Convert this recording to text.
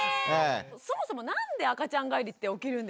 そもそもなんで赤ちゃん返りって起きるんですか？